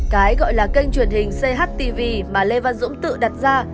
cái gọi là kênh truyền hình chtv mà lê văn dũng tự đặt ra